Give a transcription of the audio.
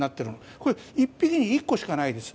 これ一匹に一個しかないです。